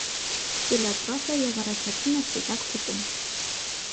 Քսիլոտրոֆ է և առաջացնում է սպիտակ փտում։